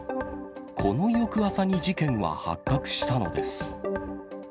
この翌朝に事件は発覚したのです。